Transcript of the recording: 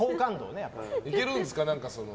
いけるんですか、何か。